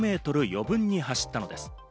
余分に走ったのです。